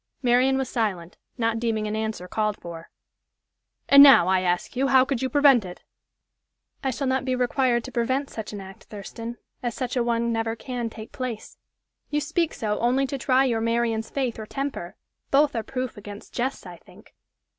Marian was silent, not deeming an answer called for. "And now, I ask you, how you could prevent it?" "I shall not be required to prevent such an act, Thurston, as such a one never can take place. You speak so only to try your Marian's faith or temper both are proof against jests, I think.